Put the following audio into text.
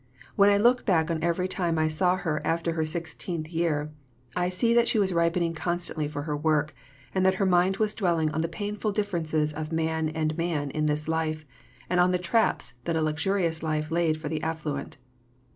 When I look back on every time I saw her after her sixteenth year, I see that she was ripening constantly for her work, and that her mind was dwelling on the painful differences of man and man in this life, and on the traps that a luxurious life laid for the affluent.